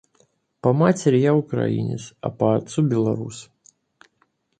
По матери я украинец, а по отцу — белорус.